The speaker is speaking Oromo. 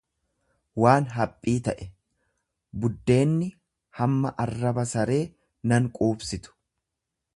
waan haphiii ta'e; Buddeenni hamma arraba saree nan quubsi tu.